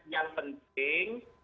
dari yang penting